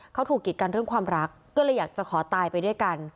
เขาถูกกิจกันเรื่องความรักก็เลยอยากจะขอตายไปด้วยกัน